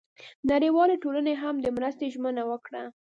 نړیوالې ټولنې هم د مرستې ژمنه وکړه.